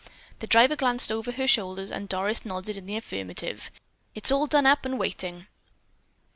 The driver glanced over her shoulder and Doris nodded in the affirmative. "It's all done up and waiting."